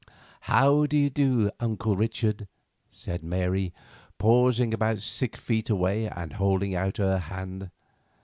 "How do you do, Uncle Richard?" said Mary, pausing about six feet away and holding out her hand.